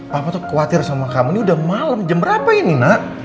papa tuh khawatir sama kamu ini udah malam jam berapa ini nak